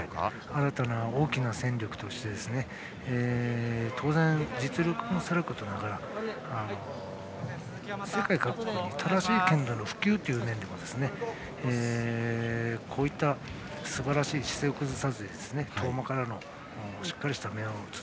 新たな大きな戦力として当然、実力もさることながら世界各国に正しい剣道の普及という面でもこういったすばらしい姿勢を崩さずに遠間からしっかりとした面を打つ。